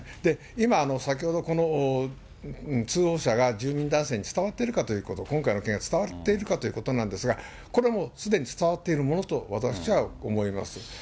今、先ほど、この通報者が住民男性に伝わっているかと、今回の件、伝わっているかということなんですけれども、これもすでに伝わっているものと私は思います。